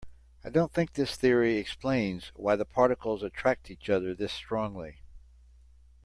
I don't think this theory explains why the particles attract each other this strongly.